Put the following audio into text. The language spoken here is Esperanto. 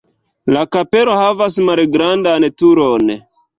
La kapelo havas malgrandan turon.